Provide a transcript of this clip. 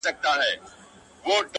تر څو نه یو شرمینده تر پاک سبحانه-